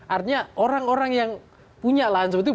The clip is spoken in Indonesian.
artinya orang orang yang punya lahan seperti itu